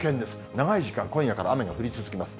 長い時間、今夜から雨が降り続きます。